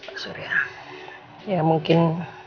pak surya ya mungkin